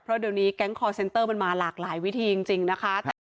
เพราะเดี๋ยวนี้แก๊งคอร์เซ็นเตอร์มันมาหลากหลายวิธีจริงนะคะ